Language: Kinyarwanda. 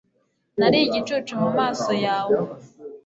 nari igicucu mu maso yawe